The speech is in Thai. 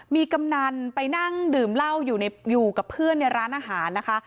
มีกำนันไปนั่งดื่มเหล้าอยู่กับเพื่อนในร้านอาหารนะคะ